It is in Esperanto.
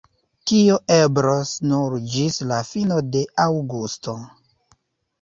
Tio eblos nur ĝis la fino de aŭgusto.